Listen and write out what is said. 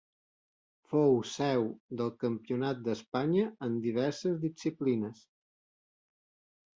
Fou seu del Campionat d’Espanya en diverses disciplines.